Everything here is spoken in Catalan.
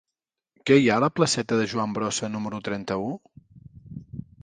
Què hi ha a la placeta de Joan Brossa número trenta-u?